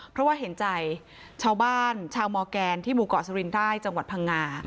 เพราะว่าเห็นใจชาวบ้านชาวมอร์แกนที่หมู่เกาะสรินได้จังหวัดพังงา